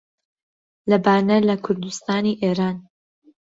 لە بانە لە کوردستانی ئێران